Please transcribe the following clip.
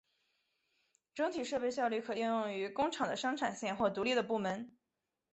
整体设备效率可应用于工厂的生产线或独立的部门。